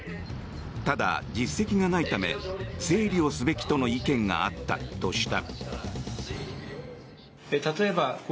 ただ、実績がないため整理をすべきとの意見があったとした。